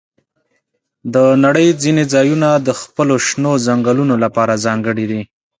د نړۍ ځینې ځایونه د خپلو شنو ځنګلونو لپاره ځانګړي دي.